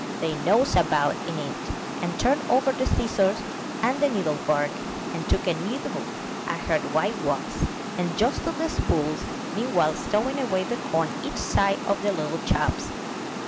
They nosed about in it, and turned over the scissors and the needle book, and took a nibble at her white wax, and jostled the spools, meanwhile stowing away the corn each side of their little chops.